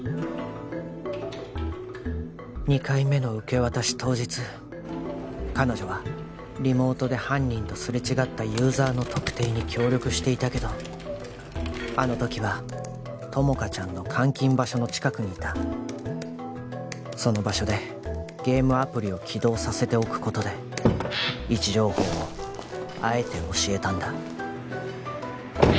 ２回目の受け渡し当日彼女はリモートで犯人とすれ違ったユーザーの特定に協力していたけどあの時は友果ちゃんの監禁場所の近くにいたその場所でゲームアプリを起動させておくことで位置情報をあえて教えたんだ